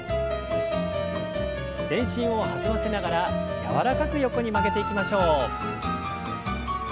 全身を弾ませながら柔らかく横に曲げていきましょう。